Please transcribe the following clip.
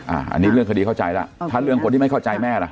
อันนี้เรื่องคดีเข้าใจแล้วถ้าเรื่องคนที่ไม่เข้าใจแม่ล่ะ